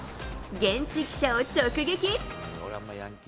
現地記者を直撃。